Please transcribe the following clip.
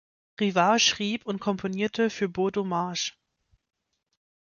Rivard schrieb und komponierte für Beau Dommage.